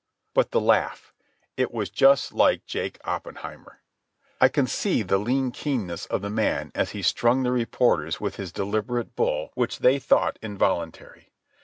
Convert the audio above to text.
But the laugh. It was just like Jake Oppenheimer. I can see the lean keenness of the man as he strung the reporters with his deliberate bull which they thought involuntary.